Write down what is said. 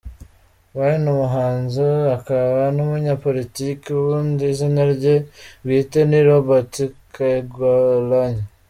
Wine, umuhanzi akaba n'umunyapolitiki, ubundi izina rye bwite ni Robert Kyagulanyi.